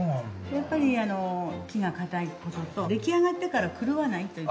やっぱりあの木が堅い事と出来上がってから狂わないというふうに。